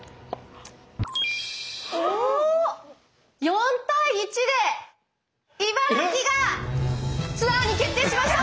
４対１で茨城がツアーに決定しました！